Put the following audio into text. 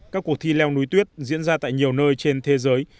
các cuộc thi leo núi tuyết diễn ra tại nhiều nơi trên thế giới